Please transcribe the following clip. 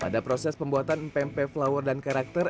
pada proses pembuatan mpe mpe flower dan karakter